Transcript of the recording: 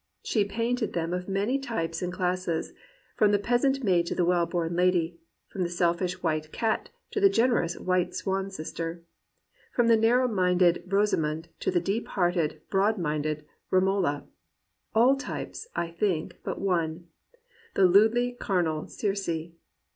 She painted them of many types and classes — ^from the peasant maid to the well bom lady, from the selfish white cat to the generous white swan sister; from the nar row minded Rosamund to the deep hearted, broad minded Romola; all types, I think, but one — the lewdly carnal Circe.